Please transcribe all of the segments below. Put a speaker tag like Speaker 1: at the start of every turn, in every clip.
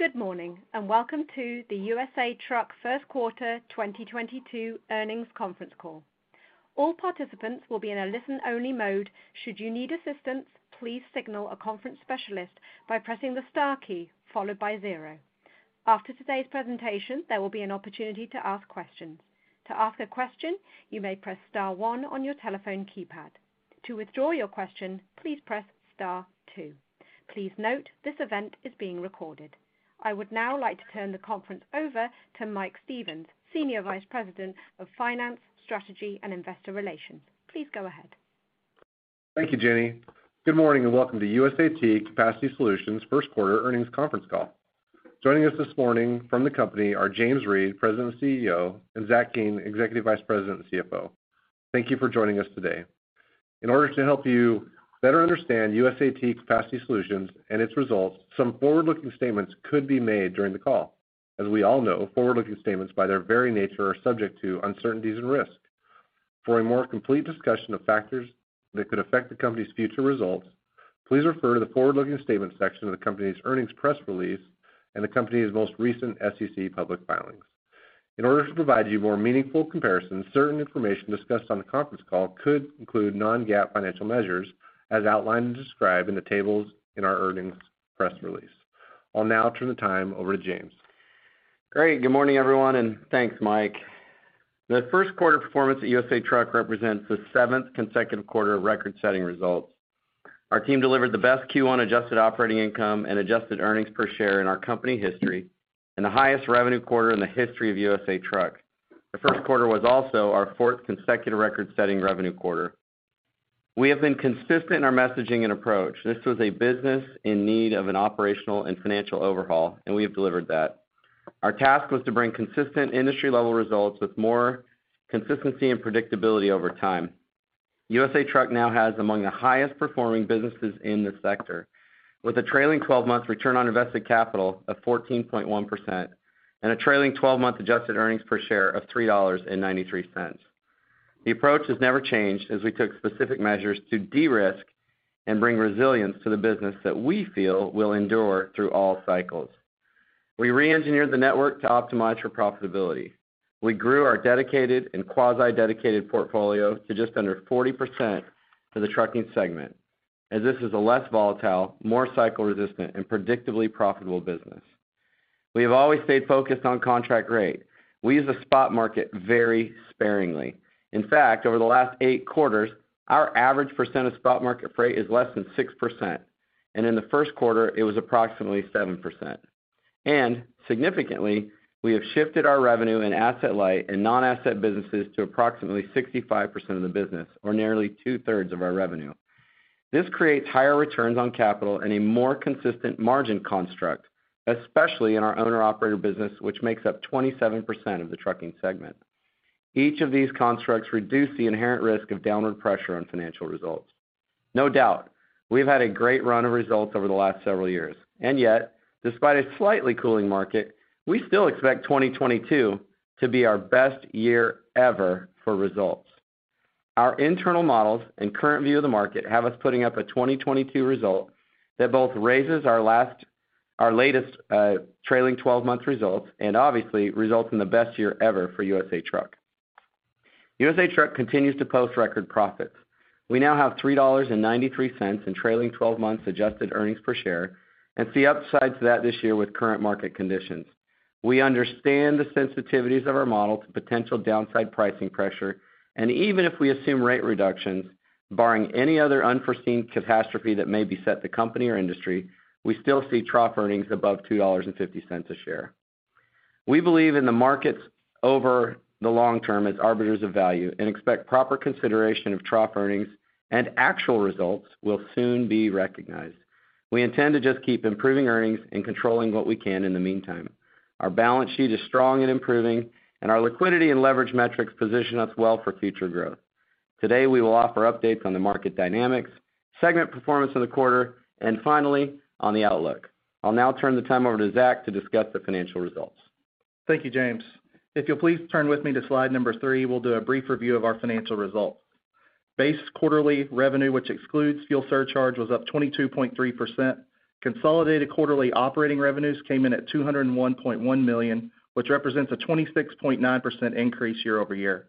Speaker 1: Good morning, and welcome to the USA Truck First Quarter 2022 Earnings Conference Call. All participants will be in a listen-only mode. Should you need assistance, please signal a conference specialist by pressing the star key followed by zero. After today's presentation, there will be an opportunity to ask questions. To ask a question, you may press star one on your telephone keypad. To withdraw your question, please press star two. Please note, this event is being recorded. I would now like to turn the conference over to Mike Stephens, Senior Vice President of Finance, Strategy, and Investor Relations. Please go ahead.
Speaker 2: Thank you, Jenny. Good morning, and welcome to USAT Capacity Solutions First Quarter Earnings Conference Call. Joining us this morning from the company are James Reed, President and CEO, and Zach King, Executive Vice President and CFO. Thank you for joining us today. In order to help you better understand USAT Capacity Solutions and its results, some forward-looking statements could be made during the call. As we all know, forward-looking statements, by their very nature, are subject to uncertainties and risk. For a more complete discussion of factors that could affect the company's future results, please refer to the Forward-Looking Statements section of the company's earnings press release and the company's most recent SEC public filings. In order to provide you more meaningful comparisons, certain information discussed on the conference call could include non-GAAP financial measures, as outlined and described in the tables in our earnings press release. I'll now turn the time over to James.
Speaker 3: Great. Good morning, everyone, and thanks, Mike. The first quarter performance at USA Truck represents the seventh consecutive quarter of record-setting results. Our team delivered the best Q1 adjusted operating income and adjusted earnings per share in our company history and the highest revenue quarter in the history of USA Truck. The first quarter was also our fourth consecutive record-setting revenue quarter. We have been consistent in our messaging and approach. This was a business in need of an operational and financial overhaul, and we have delivered that. Our task was to bring consistent industry-level results with more consistency and predictability over time. USA Truck now has among the highest-performing businesses in this sector, with a trailing twelve-month return on invested capital of 14.1% and a trailing twelve-month adjusted earnings per share of $3.93. The approach has never changed as we took specific measures to de-risk and bring resilience to the business that we feel will endure through all cycles. We re-engineered the network to optimize for profitability. We grew our dedicated and quasi-dedicated portfolio to just under 40% for the trucking segment, as this is a less volatile, more cycle-resistant, and predictably profitable business. We have always stayed focused on contract rate. We use the spot market very sparingly. In fact, over the last eight quarters, our average percent of spot market freight is less than 6%, and in the first quarter, it was approximately 7%. Significantly, we have shifted our revenue in asset-light and non-asset businesses to approximately 65% of the business, or nearly two-thirds of our revenue. This creates higher returns on capital and a more consistent margin construct, especially in our owner-operator business, which makes up 27% of the trucking segment. Each of these constructs reduce the inherent risk of downward pressure on financial results. No doubt, we've had a great run of results over the last several years. Yet, despite a slightly cooling market, we still expect 2022 to be our best year ever for results. Our internal models and current view of the market have us putting up a 2022 result that both raises our latest trailing twelve-month results and obviously results in the best year ever for USA Truck. USA Truck continues to post record profits. We now have $3.93 in trailing twelve-month adjusted earnings per share and see upsides to that this year with current market conditions. We understand the sensitivities of our model to potential downside pricing pressure, and even if we assume rate reductions, barring any other unforeseen catastrophe that may beset the company or industry, we still see trough earnings above $2.50 a share. We believe in the markets over the long term as arbiters of value and expect proper consideration of trough earnings and actual results will soon be recognized. We intend to just keep improving earnings and controlling what we can in the meantime. Our balance sheet is strong and improving, and our liquidity and leverage metrics position us well for future growth. Today, we will offer updates on the market dynamics, segment performance in the quarter, and finally, on the outlook. I'll now turn the time over to Zach to discuss the financial results.
Speaker 4: Thank you, James. If you'll please turn with me to slide three, we'll do a brief review of our financial results. Base quarterly revenue, which excludes fuel surcharge, was up 22.3%. Consolidated quarterly operating revenues came in at $201.1 million, which represents a 26.9% increase year-over-year.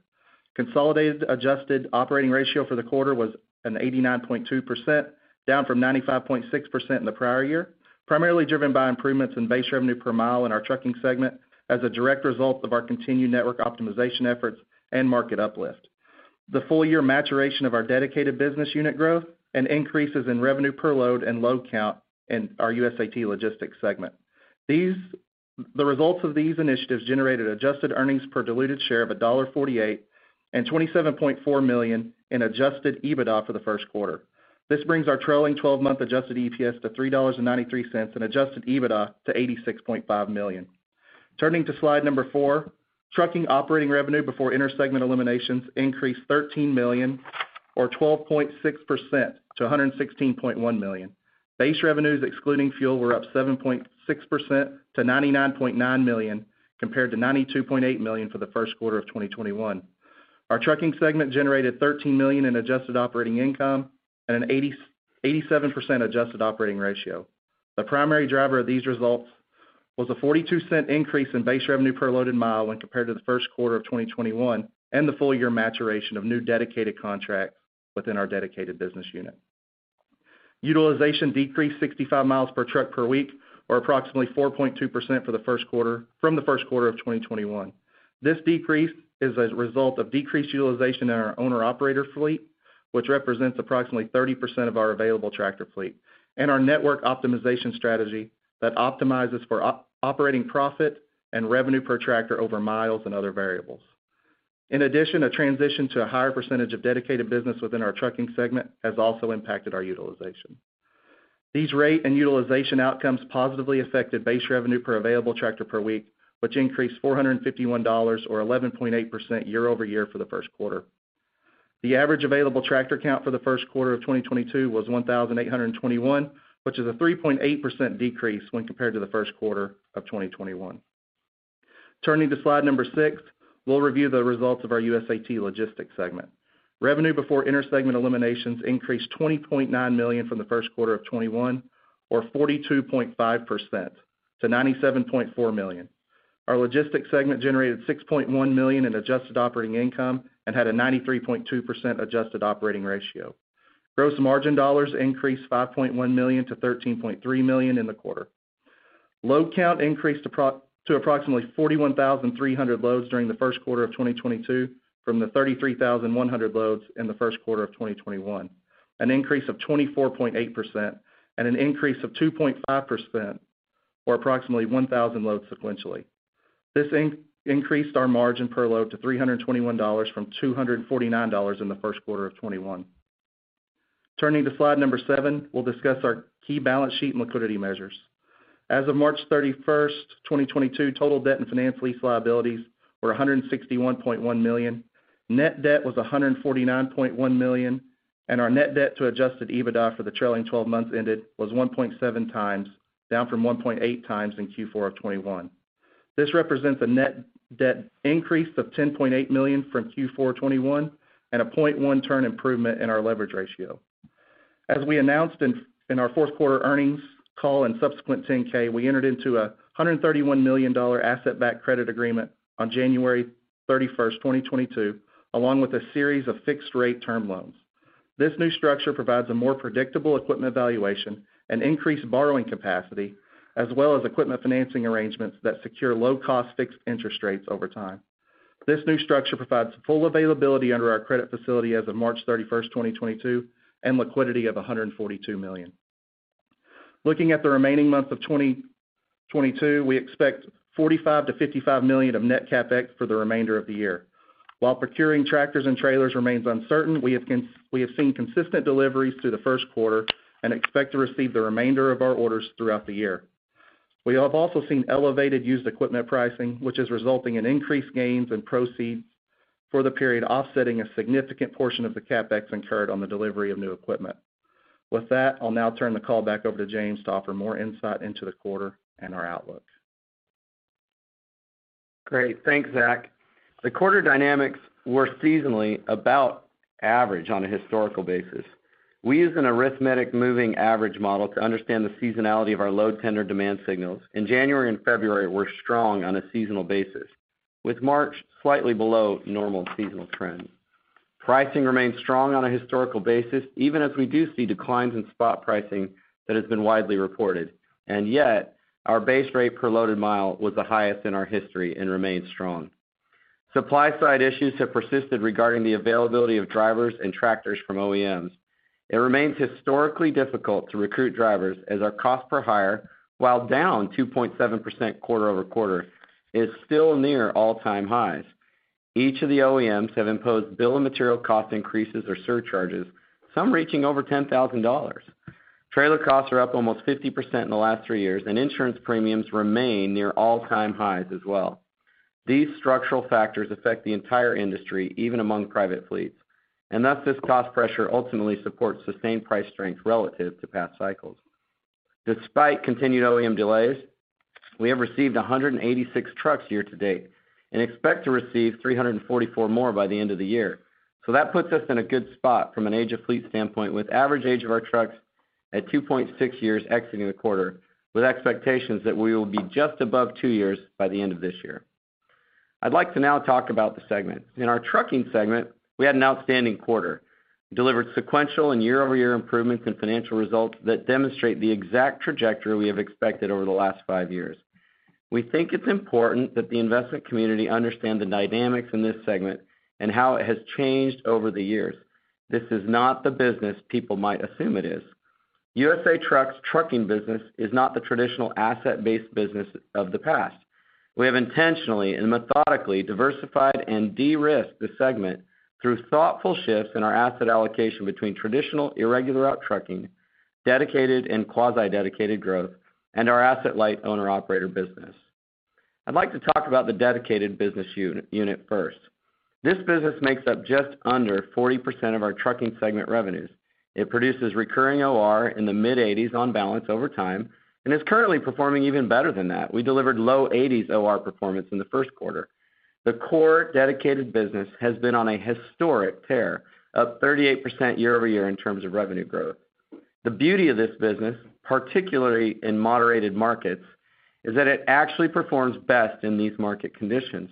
Speaker 4: Consolidated adjusted operating ratio for the quarter was 89.2%, down from 95.6% in the prior year, primarily driven by improvements in base revenue per mile in our trucking segment as a direct result of our continued network optimization efforts and market uplift. The full-year maturation of our dedicated business unit growth and increases in revenue per load and load count in our USAT Logistics segment. These The results of these initiatives generated adjusted earnings per diluted share of $1.48 and $27.4 million in adjusted EBITDA for the first quarter. This brings our trailing twelve-month adjusted EPS to $3.93 and adjusted EBITDA to $86.5 million. Turning to slide number four, trucking operating revenue before inter-segment eliminations increased $13 million or 12.6% to $116.1 million. Base revenues excluding fuel were up 7.6% to $99.9 million, compared to $92.8 million for the first quarter of 2021. Our trucking segment generated $13 million in adjusted operating income and an 87% adjusted operating ratio. The primary driver of these results was a $0.42 increase in base revenue per loaded mile when compared to the first quarter of 2021, and the full year maturation of new dedicated contracts within our dedicated business unit. Utilization decreased 65 miles per truck per week, or approximately 4.2% for the first quarter from the first quarter of 2021. This decrease is as a result of decreased utilization in our owner-operator fleet, which represents approximately 30% of our available tractor fleet, and our network optimization strategy that optimizes for operating profit and revenue per tractor over miles and other variables. In addition, a transition to a higher percentage of dedicated business within our trucking segment has also impacted our utilization. These rate and utilization outcomes positively affected base revenue per available tractor per week, which increased $451, or 11.8% year-over-year for the first quarter. The average available tractor count for the first quarter of 2022 was 1,821, which is a 3.8% decrease when compared to the first quarter of 2021. Turning to slide 6, we'll review the results of our USAT Logistics segment. Revenue before inter-segment eliminations increased $20.9 million from the first quarter of 2021, or 42.5% to $97.4 million. Our logistics segment generated $6.1 million in adjusted operating income and had a 93.2% adjusted operating ratio. Gross margin dollars increased $5.1 million to $13.3 million in the quarter. Load count increased to approximately 41,300 loads during the first quarter of 2022 from the 33,100 loads in the first quarter of 2021, an increase of 24.8%, and an increase of 2.5%, or approximately 1,000 loads sequentially. This increased our margin per load to $321 from $249 in the first quarter of 2021. Turning to slide 7, we'll discuss our key balance sheet and liquidity measures. As of March 31, 2022, total debt and finance lease liabilities were $161.1 million. Net debt was $149.1 million, and our net debt to adjusted EBITDA for the trailing twelve months ended was 1.7 times, down from 1.8 times in Q4 of 2021. This represents a net debt increase of $10.8 million from Q4 2021 and a 0.1 turn improvement in our leverage ratio. As we announced in our fourth quarter earnings call and subsequent 10-K, we entered into a $131 million asset-backed credit agreement on January 31st, 2022, along with a series of fixed rate term loans. This new structure provides a more predictable equipment valuation and increased borrowing capacity, as well as equipment financing arrangements that secure low-cost fixed interest rates over time. This new structure provides full availability under our credit facility as of March 31, 2022, and liquidity of $142 million. Looking at the remaining months of 2022, we expect $45 million-$55 million of net CapEx for the remainder of the year. While procuring tractors and trailers remains uncertain, we have seen consistent deliveries through the first quarter and expect to receive the remainder of our orders throughout the year. We have also seen elevated used equipment pricing, which is resulting in increased gains and proceeds for the period offsetting a significant portion of the CapEx incurred on the delivery of new equipment. With that, I'll now turn the call back over to James to offer more insight into the quarter and our outlook.
Speaker 3: Great. Thanks, Zach. The quarter dynamics were seasonally about average on a historical basis. We used an arithmetic moving average model to understand the seasonality of our load tender demand signals, and January and February were strong on a seasonal basis, with March slightly below normal seasonal trends. Pricing remains strong on a historical basis, even as we do see declines in spot pricing that has been widely reported, and yet our base rate per loaded mile was the highest in our history and remains strong. Supply-side issues have persisted regarding the availability of drivers and tractors from OEMs. It remains historically difficult to recruit drivers as our cost per hire, while down 2.7% quarter-over-quarter, is still near all-time highs. Each of the OEMs have imposed bill of materials cost increases or surcharges, some reaching over $10,000. Trailer costs are up almost 50% in the last three years, and insurance premiums remain near all-time highs as well. These structural factors affect the entire industry, even among private fleets, and thus this cost pressure ultimately supports sustained price strength relative to past cycles. Despite continued OEM delays, we have received 186 trucks year to date and expect to receive 344 more by the end of the year. That puts us in a good spot from an age of fleet standpoint, with average age of our trucks at 2.6 years exiting the quarter, with expectations that we will be just above two years by the end of this year. I'd like to now talk about the segment. In our trucking segment, we had an outstanding quarter. Delivered sequential and year-over-year improvements in financial results that demonstrate the exact trajectory we have expected over the last five years. We think it's important that the investment community understand the dynamics in this segment and how it has changed over the years. This is not the business people might assume it is. USA Truck's trucking business is not the traditional asset-based business of the past. We have intentionally and methodically diversified and de-risked this segment through thoughtful shifts in our asset allocation between traditional irregular route trucking, dedicated and quasi-dedicated growth, and our asset-light owner operator business. I'd like to talk about the dedicated business unit first. This business makes up just under 40% of our trucking segment revenues. It produces recurring OR in the mid-80s% on balance over time, and is currently performing even better than that. We delivered low 80s% OR performance in the first quarter. The core dedicated business has been on a historic tear, up 38% year-over-year in terms of revenue growth. The beauty of this business, particularly in moderated markets, is that it actually performs best in these market conditions.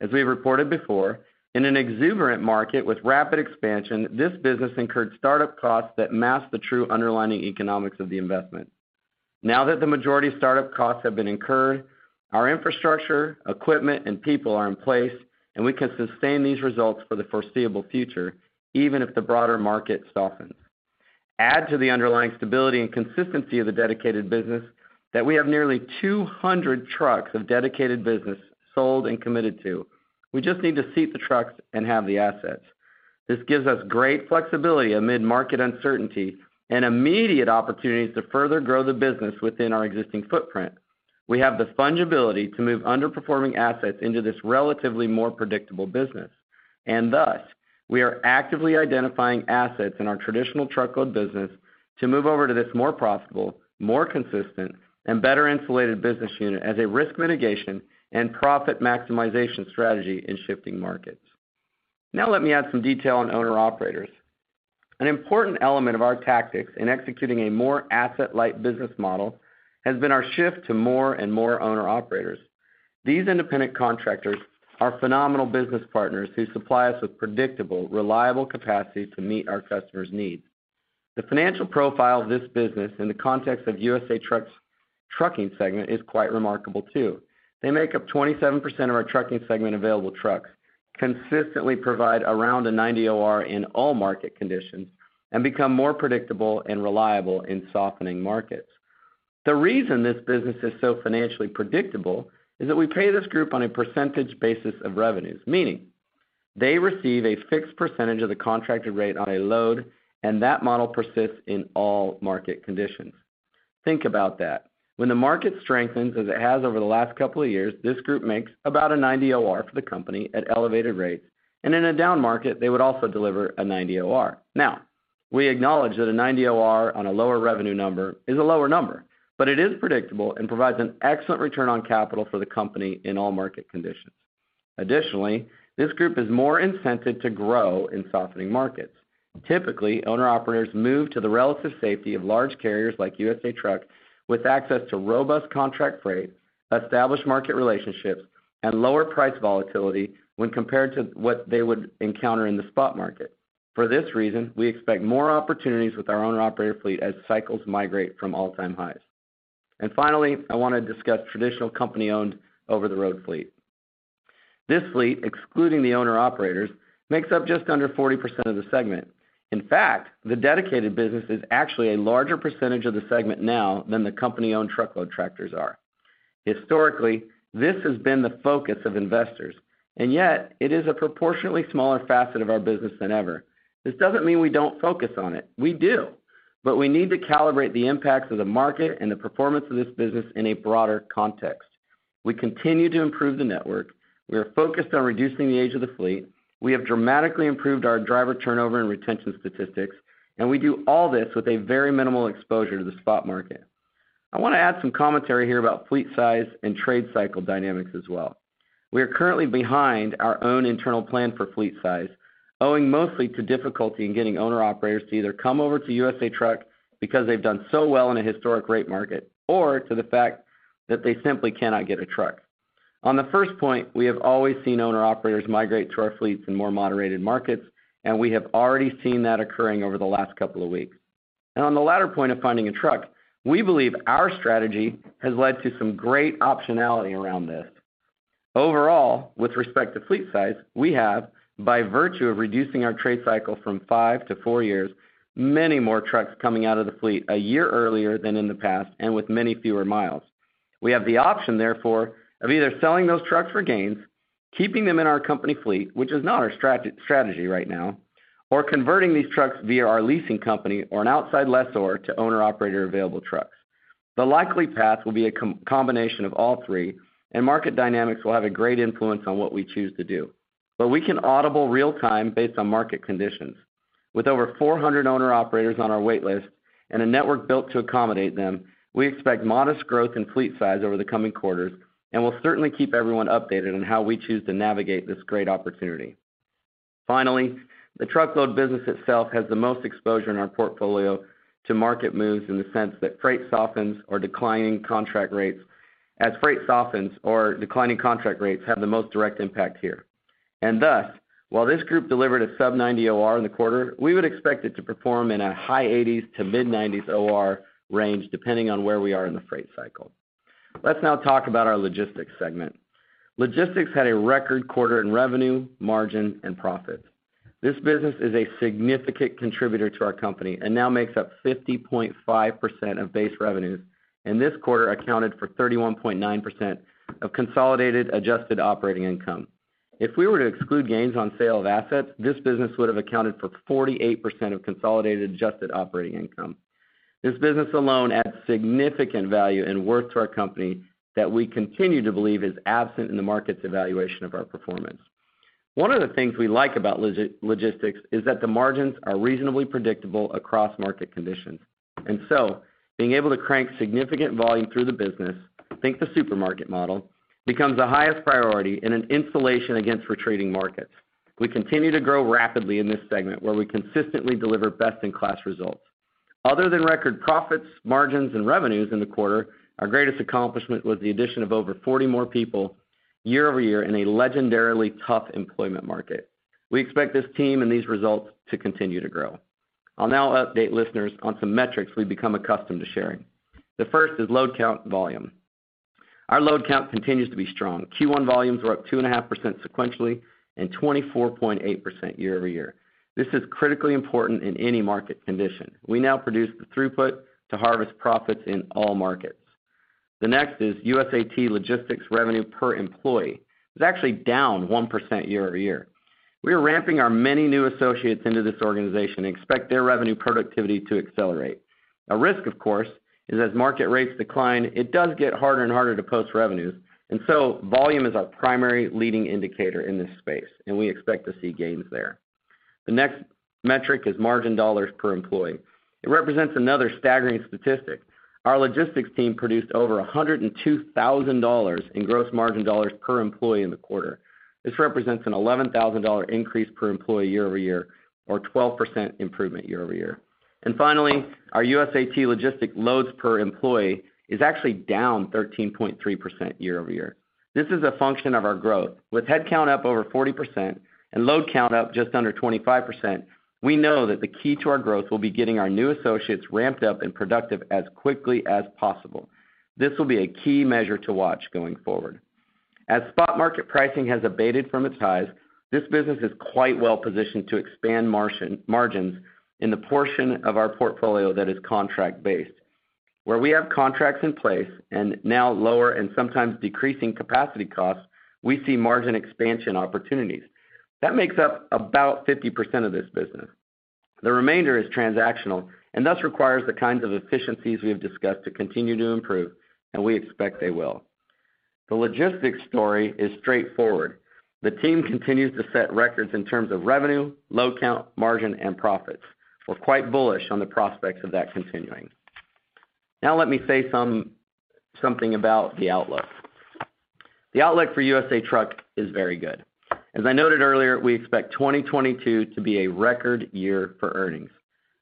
Speaker 3: As we have reported before, in an exuberant market with rapid expansion, this business incurred startup costs that masked the true underlying economics of the investment. Now that the majority of startup costs have been incurred, our infrastructure, equipment, and people are in place, and we can sustain these results for the foreseeable future, even if the broader market softens. Add to the underlying stability and consistency of the dedicated business that we have nearly 200 trucks of dedicated business sold and committed to. We just need to seat the trucks and have the assets. This gives us great flexibility amid market uncertainty and immediate opportunities to further grow the business within our existing footprint. We have the singular ability to move underperforming assets into this relatively more predictable business. Thus, we are actively identifying assets in our traditional truckload business to move over to this more profitable, more consistent, and better insulated business unit as a risk mitigation and profit maximization strategy in shifting markets. Now let me add some detail on owner-operators. An important element of our tactics in executing a more asset-light business model has been our shift to more and more owner-operators. These independent contractors are phenomenal business partners who supply us with predictable, reliable capacity to meet our customers' needs. The financial profile of this business in the context of USA Truck's trucking segment is quite remarkable too. They make up 27% of our trucking segment available trucks, consistently provide around a 90 OR in all market conditions, and become more predictable and reliable in softening markets. The reason this business is so financially predictable is that we pay this group on a percentage basis of revenues, meaning they receive a fixed percentage of the contracted rate on a load, and that model persists in all market conditions. Think about that. When the market strengthens, as it has over the last couple of years, this group makes about a 90 OR for the company at elevated rates, and in a down market, they would also deliver a 90 OR. Now, we acknowledge that a 90 OR on a lower revenue number is a lower number, but it is predictable and provides an excellent return on capital for the company in all market conditions. Additionally, this group is more incented to grow in softening markets. Typically, owner-operators move to the relative safety of large carriers like USA Truck with access to robust contract freight, established market relationships, and lower price volatility when compared to what they would encounter in the spot market. For this reason, we expect more opportunities with our owner-operator fleet as cycles migrate from all-time highs. Finally, I want to discuss traditional company-owned over-the-road fleet. This fleet, excluding the owner-operators, makes up just under 40% of the segment. In fact, the dedicated business is actually a larger percentage of the segment now than the company-owned truckload tractors are. Historically, this has been the focus of investors, and yet it is a proportionately smaller facet of our business than ever. This doesn't mean we don't focus on it. We do, but we need to calibrate the impacts of the market and the performance of this business in a broader context. We continue to improve the network. We are focused on reducing the age of the fleet. We have dramatically improved our driver turnover and retention statistics, and we do all this with a very minimal exposure to the spot market. I want to add some commentary here about fleet size and trade cycle dynamics as well. We are currently behind our own internal plan for fleet size, owing mostly to difficulty in getting owner-operators to either come over to USA Truck because they've done so well in a historic rate market or to the fact that they simply cannot get a truck. On the first point, we have always seen owner-operators migrate to our fleets in more moderated markets, and we have already seen that occurring over the last couple of weeks. On the latter point of finding a truck, we believe our strategy has led to some great optionality around this. Overall, with respect to fleet size, we have, by virtue of reducing our trade cycle from 5- 4 years, many more trucks coming out of the fleet a year earlier than in the past and with many fewer miles. We have the option, therefore, of either selling those trucks for gains, keeping them in our company fleet, which is not our strategy right now, or converting these trucks via our leasing company or an outside lessor to owner-operator available trucks. The likely path will be a combination of all three, and market dynamics will have a great influence on what we choose to do. We can audible real-time based on market conditions. With over 400 owner-operators on our wait list and a network built to accommodate them, we expect modest growth in fleet size over the coming quarters, and we'll certainly keep everyone updated on how we choose to navigate this great opportunity. Finally, the truckload business itself has the most exposure in our portfolio to market moves in the sense that freight softens or declining contract rates have the most direct impact here. Thus, while this group delivered a sub-90 OR in the quarter, we would expect it to perform in a high 80s to mid-90s OR range, depending on where we are in the freight cycle. Let's now talk about our logistics segment. Logistics had a record quarter in revenue, margin, and profit. This business is a significant contributor to our company and now makes up 50.5% of base revenues, and this quarter accounted for 31.9% of consolidated adjusted operating income. If we were to exclude gains on sale of assets, this business would have accounted for 48% of consolidated adjusted operating income. This business alone adds significant value and worth to our company that we continue to believe is absent in the market's evaluation of our performance. One of the things we like about logistics is that the margins are reasonably predictable across market conditions. Being able to crank significant volume through the business, think the supermarket model, becomes the highest priority and an insulation against retreating markets. We continue to grow rapidly in this segment, where we consistently deliver best-in-class results. Other than record profits, margins, and revenues in the quarter, our greatest accomplishment was the addition of over 40 more people year-over-year in a legendarily tough employment market. We expect this team and these results to continue to grow. I'll now update listeners on some metrics we've become accustomed to sharing. The first is load count volume. Our load count continues to be strong. Q1 volumes were up 2.5% sequentially and 24.8% year-over-year. This is critically important in any market condition. We now produce the throughput to harvest profits in all markets. The next is USAT Logistics revenue per employee. It's actually down 1% year-over-year. We are ramping our many new associates into this organization and expect their revenue productivity to accelerate. A risk, of course, is as market rates decline, it does get harder and harder to post revenues, and so volume is our primary leading indicator in this space, and we expect to see gains there. The next metric is margin dollars per employee. It represents another staggering statistic. Our logistics team produced over $102,000 in gross margin dollars per employee in the quarter. This represents a $11,000 increase per employee year-over-year, or a 12% improvement year-over-year. Finally, our USAT Logistics loads per employee is actually down 13.3% year-over-year. This is a function of our growth. With headcount up over 40% and load count up just under 25%, we know that the key to our growth will be getting our new associates ramped up and productive as quickly as possible. This will be a key measure to watch going forward. As spot market pricing has abated from its highs, this business is quite well positioned to expand margins in the portion of our portfolio that is contract-based. Where we have contracts in place and now lower and sometimes decreasing capacity costs, we see margin expansion opportunities. That makes up about 50% of this business. The remainder is transactional and thus requires the kinds of efficiencies we have discussed to continue to improve, and we expect they will. The logistics story is straightforward. The team continues to set records in terms of revenue, load count, margin, and profits. We're quite bullish on the prospects of that continuing. Now let me say something about the outlook. The outlook for USA Truck is very good. As I noted earlier, we expect 2022 to be a record year for earnings.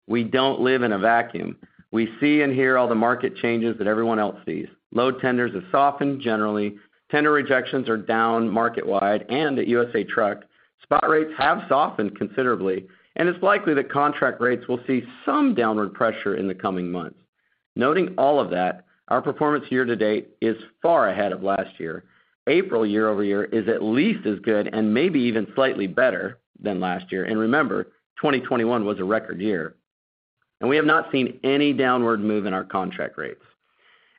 Speaker 3: We don't live in a vacuum. We see and hear all the market changes that everyone else sees. Load tenders have softened generally. Tender rejections are down market-wide and at USA Truck. Spot rates have softened considerably, and it's likely that contract rates will see some downward pressure in the coming months. Noting all of that, our performance year to date is far ahead of last year. April year over year is at least as good and maybe even slightly better than last year. Remember, 2021 was a record year. We have not seen any downward move in our contract rates.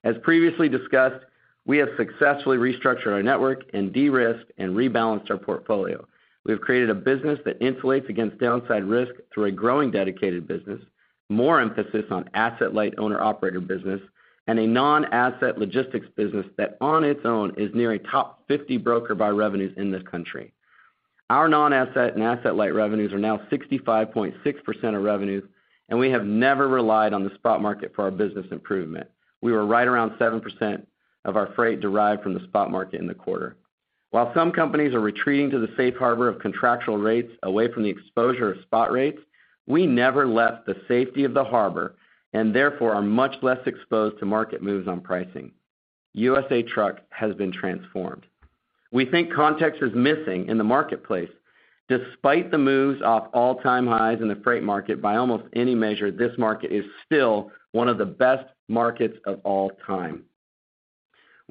Speaker 3: As previously discussed, we have successfully restructured our network and de-risked and rebalanced our portfolio. We have created a business that insulates against downside risk through a growing dedicated business, more emphasis on asset-light owner operator business, and a non-asset logistics business that on its own is near a top 50 broker by revenues in this country. Our non-asset and asset-light revenues are now 65.6% of revenues, and we have never relied on the spot market for our business improvement. We were right around 7% of our freight derived from the spot market in the quarter. While some companies are retreating to the safe harbor of contractual rates away from the exposure of spot rates, we never left the safety of the harbor and therefore are much less exposed to market moves on pricing. USA Truck has been transformed. We think context is missing in the marketplace. Despite the moves off all-time highs in the freight market, by almost any measure, this market is still one of the best markets of all time.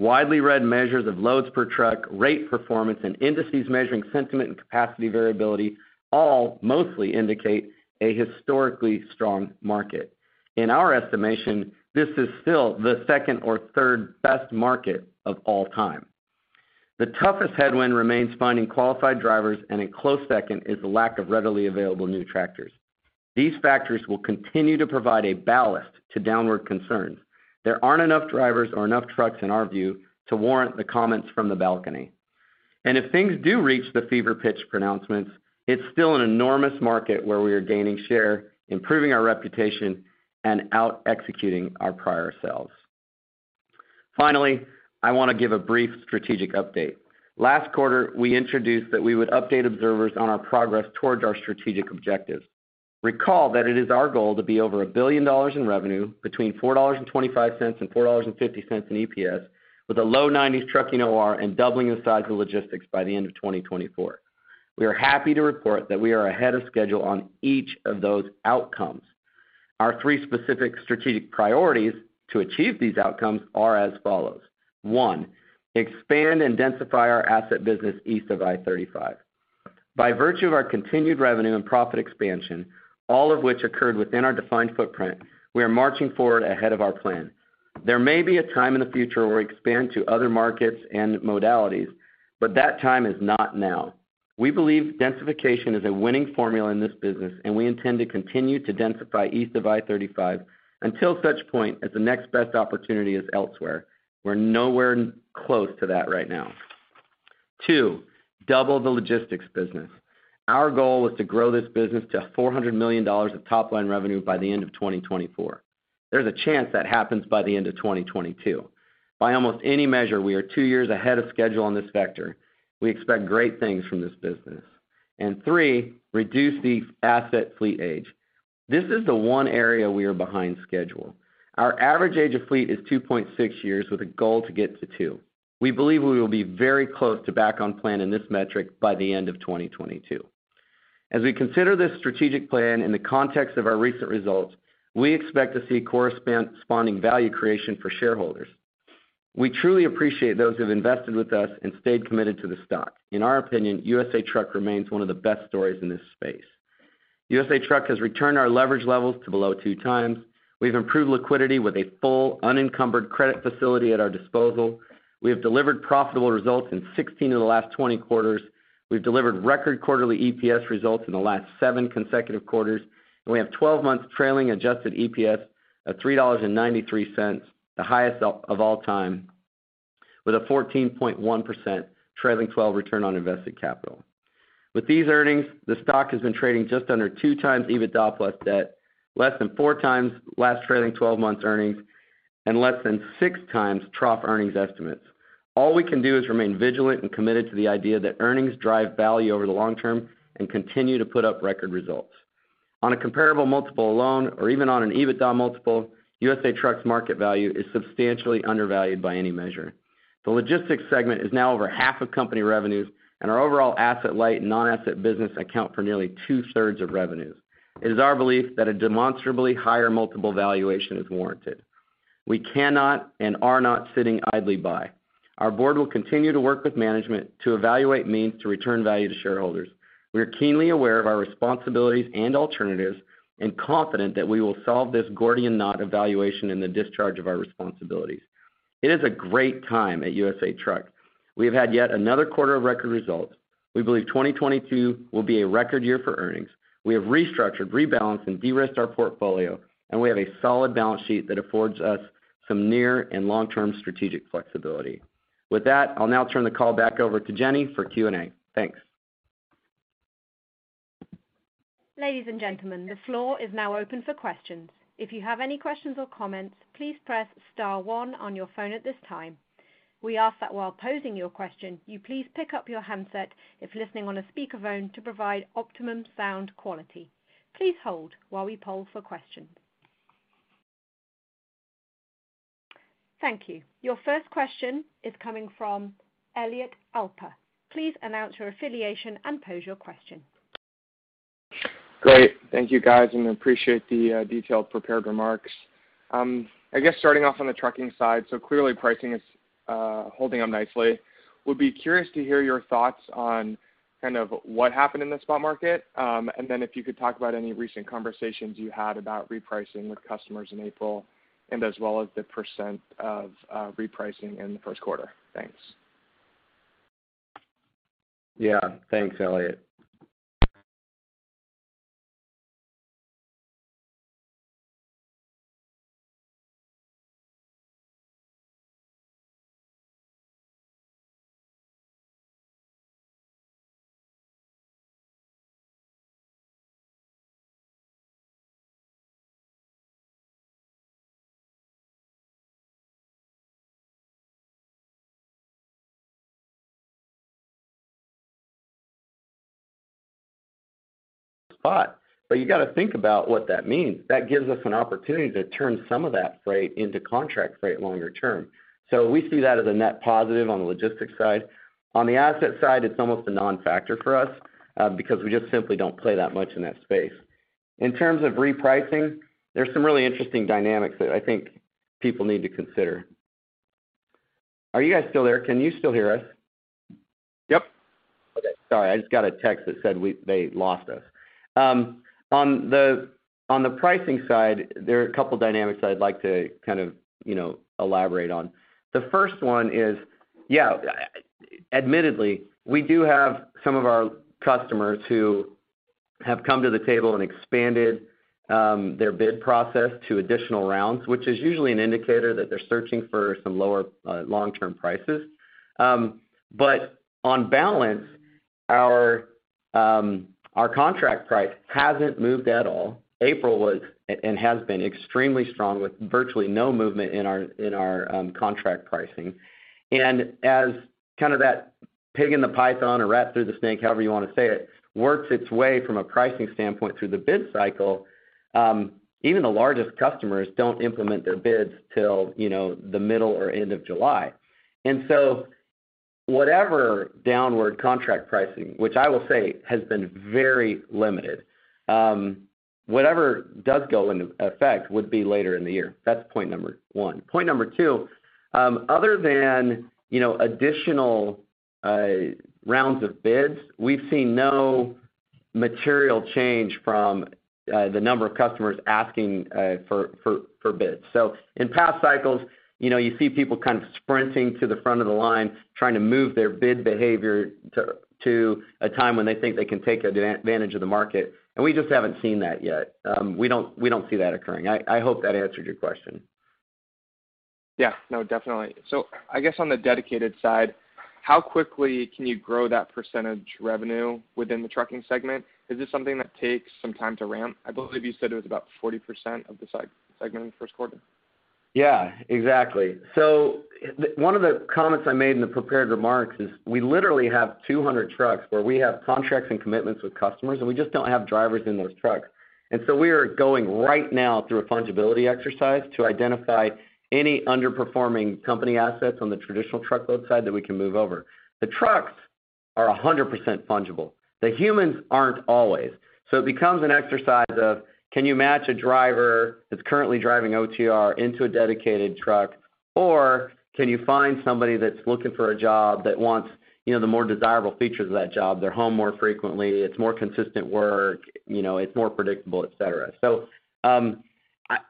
Speaker 3: Widely read measures of loads per truck, rate performance, and indices measuring sentiment and capacity variability all mostly indicate a historically strong market. In our estimation, this is still the second or third best market of all time. The toughest headwind remains finding qualified drivers, and a close second is the lack of readily available new tractors. These factors will continue to provide a ballast to downward concerns. There aren't enough drivers or enough trucks, in our view, to warrant the comments from the balcony. If things do reach the fever pitch pronouncements, it's still an enormous market where we are gaining share, improving our reputation, and out-executing our prior selves. Finally, I want to give a brief strategic update. Last quarter, we introduced that we would update observers on our progress towards our strategic objectives. Recall that it is our goal to be over $1 billion in revenue between $4.25 and $4.50 in EPS with a low-90s% trucking OR and doubling the size of logistics by the end of 2024. We are happy to report that we are ahead of schedule on each of those outcomes. Our three specific strategic priorities to achieve these outcomes are as follows. One, expand and densify our asset business east of I-35. By virtue of our continued revenue and profit expansion, all of which occurred within our defined footprint, we are marching forward ahead of our plan. There may be a time in the future where we expand to other markets and modalities, but that time is not now. We believe densification is a winning formula in this business, and we intend to continue to densify east of I-35 until such point as the next best opportunity is elsewhere. We're nowhere close to that right now. Two, double the logistics business. Our goal is to grow this business to $400 million of top line revenue by the end of 2024. There's a chance that happens by the end of 2022. By almost any measure, we are two years ahead of schedule on this vector. We expect great things from this business. Three, reduce the asset fleet age. This is the one area we are behind schedule. Our average age of fleet is 2.6 years with a goal to get to two. We believe we will be very close to back on plan in this metric by the end of 2022. As we consider this strategic plan in the context of our recent results, we expect to see corresponding value creation for shareholders. We truly appreciate those who have invested with us and stayed committed to the stock. In our opinion, USA Truck remains one of the best stories in this space. USA Truck has returned our leverage levels to below 2x. We've improved liquidity with a full unencumbered credit facility at our disposal. We have delivered profitable results in 16 of the last 20 quarters. We've delivered record quarterly EPS results in the last 7 consecutive quarters, and we have 12 months trailing adjusted EPS at $3.93, the highest of all time, with a 14.1% trailing 12 return on invested capital. With these earnings, the stock has been trading just under 2x EBITDA plus debt, less than 4x last trailing twelve months earnings, and less than 6x trough earnings estimates. All we can do is remain vigilant and committed to the idea that earnings drive value over the long term and continue to put up record results. On a comparable multiple alone or even on an EBITDA multiple, USA Truck's market value is substantially undervalued by any measure. The logistics segment is now over half of company revenues, and our overall asset light and non-asset business account for nearly two-thirds of revenues. It is our belief that a demonstrably higher multiple valuation is warranted. We cannot and are not sitting idly by. Our board will continue to work with management to evaluate means to return value to shareholders. We are keenly aware of our responsibilities and alternatives and confident that we will solve this Gordian Knot evaluation in the discharge of our responsibilities. It is a great time at USA Truck. We have had yet another quarter of record results. We believe 2022 will be a record year for earnings. We have restructured, rebalanced, and de-risked our portfolio, and we have a solid balance sheet that affords us some near and long-term strategic flexibility. With that, I'll now turn the call back over to Jenny for Q&A. Thanks.
Speaker 1: Ladies and gentlemen, the floor is now open for questions. If you have any questions or comments, please press star one on your phone at this time. We ask that while posing your question, you please pick up your handset if listening on a speakerphone to provide optimum sound quality. Please hold while we poll for questions. Thank you. Your first question is coming from Elliot Alper. Please announce your affiliation and pose your question.
Speaker 5: Great. Thank you, guys, and appreciate the detailed prepared remarks. I guess starting off on the trucking side, so clearly pricing is holding up nicely. Would be curious to hear your thoughts on kind of what happened in the spot market, and then if you could talk about any recent conversations you had about repricing with customers in April and as well as the percent of repricing in the first quarter. Thanks.
Speaker 3: Yeah. Thanks, Elliot. You got to think about what that means. That gives us an opportunity to turn some of that freight into contract freight longer term. We see that as a net positive on the logistics side. On the asset side, it's almost a non-factor for us, because we just simply don't play that much in that space. In terms of repricing, there's some really interesting dynamics that I think people need to consider. Are you guys still there? Can you still hear us?
Speaker 5: Yep.
Speaker 3: Okay. Sorry, I just got a text that said they lost us. On the pricing side, there are a couple dynamics that I'd like to kind of, you know, elaborate on. The first one is, yeah, admittedly, we do have some of our customers who have come to the table and expanded their bid process to additional rounds, which is usually an indicator that they're searching for some lower long-term prices. But on balance, our contract price hasn't moved at all. April was and has been extremely strong with virtually no movement in our contract pricing. As kind of that pig in the python or rat through the snake, however you want to say it, works its way from a pricing standpoint through the bid cycle, even the largest customers don't implement their bids till, you know, the middle or end of July. Whatever downward contract pricing, which I will say has been very limited, whatever does go into effect would be later in the year. That's point number one. Point number two, other than, you know, additional rounds of bids, we've seen no material change from the number of customers asking for bids. In past cycles, you know, you see people kind of sprinting to the front of the line trying to move their bid behavior to a time when they think they can take advantage of the market. We just haven't seen that yet. We don't see that occurring. I hope that answered your question.
Speaker 5: Yeah. No, definitely. I guess on the dedicated side, how quickly can you grow that percentage revenue within the trucking segment? Is this something that takes some time to ramp? I believe you said it was about 40% of the segment in the first quarter.
Speaker 3: Yeah, exactly. One of the comments I made in the prepared remarks is we literally have 200 trucks where we have contracts and commitments with customers, and we just don't have drivers in those trucks. We are going right now through a fungibility exercise to identify any underperforming company assets on the traditional truckload side that we can move over. The trucks are 100% fungible. The humans aren't always. It becomes an exercise of, can you match a driver that's currently driving OTR into a dedicated truck? Can you find somebody that's looking for a job that wants, you know, the more desirable features of that job, they're home more frequently, it's more consistent work, you know, it's more predictable, et cetera.